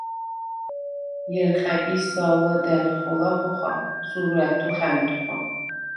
ჲერხ’ა̈გის ზაუ̂ლადა̈ღი ხოლა ხოხა: სურუ ა̈თუ ხა̈მთქუ̂ა.